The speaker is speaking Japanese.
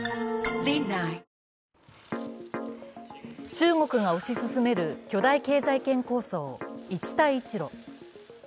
中国が推し進める巨大経済圏構想・一帯一路。